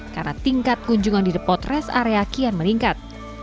karena tingkat kunjungan di depot res area kian meningkat